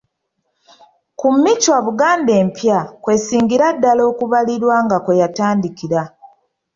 Ku Michwa Buganda Empya kw'esingira ddala okubalirwa nga kwe yatandikira.